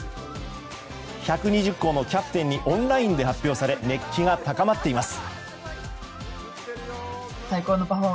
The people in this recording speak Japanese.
１２０校のキャプテンにオンラインで発表され熱気が高まっています。